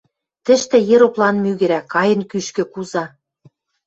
Тӹштӹ ероплан мӱгӹрӓ, кайын кӱшкӹ куза.